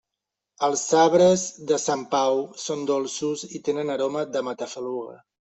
Els sabres de Sant Pau són dolços i tenen aroma de matafaluga.